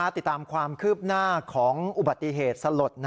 ติดตามความคืบหน้าของอุบัติเหตุสลด